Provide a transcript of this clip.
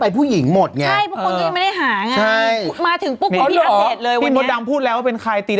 ไม่ต้องหารู้หมดเลยเป็นใคร